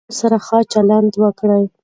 له مراجعینو سره ښه چلند وکړئ.